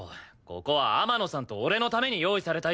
ここは天野さんと俺のために用意された家だぞ！